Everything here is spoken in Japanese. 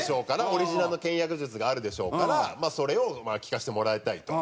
オリジナルの倹約術があるでしょうからそれを聞かせてもらいたいと。